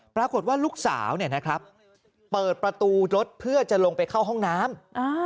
ปรากฏว่าลูกสาวเปิดประตูรถเพื่อจะลงไปเข้าห้องน้ำ